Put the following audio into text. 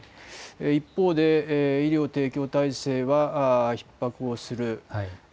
一方で医療提供体制はひっ迫をする。